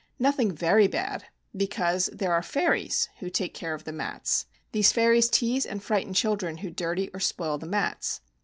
Nothing very bad — be cause there are fairies who take care of the mats. These fairies tease and frighten chil dren who dirty or spoil the mats.